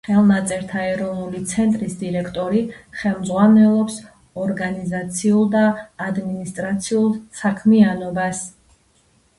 ხელნაწერთა ეროვნული ცენტრის დირექტორი ხელმძღვანელობს ორგანიზაციულ და ადმინისტრაციულ საქმიანობას.